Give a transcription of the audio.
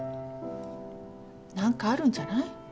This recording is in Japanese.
何かあるんじゃない？